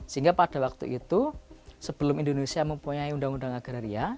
sehingga pada waktu itu sebelum indonesia mempunyai undang undang agraria